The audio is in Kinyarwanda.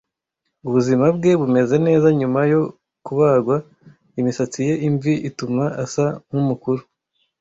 Ubuzima bwe bumeze neza nyuma yo kubagwa. Imisatsi ye imvi ituma asa nkumukuru.